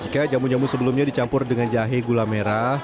jika jamu jamu sebelumnya dicampur dengan jahe gula merah